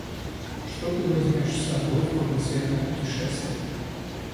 Что ты возьмешь с собой в кругосветное путешествие?